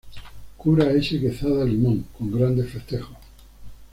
Cura S. Quezada Limón, con grandes festejos.